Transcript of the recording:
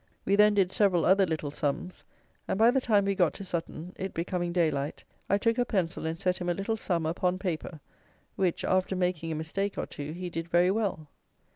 We then did several other little sums; and, by the time we got to Sutton, it becoming daylight, I took a pencil and set him a little sum upon paper, which, after making a mistake or two, he did very well.